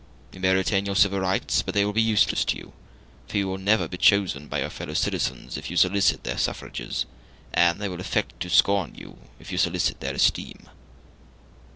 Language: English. You may retain your civil rights, but they will be useless to you, for you will never be chosen by your fellow citizens if you solicit their suffrages, and they will affect to scorn you if you solicit their esteem.